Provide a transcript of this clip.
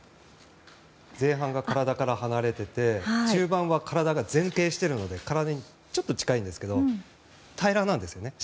前半が体から離れてて中盤は体が前傾しているので体にちょっと近いんですけど平らなんですよ。